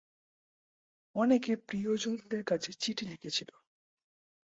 অনেকে প্রিয়জনদের কাছে চিঠি লিখেছিল।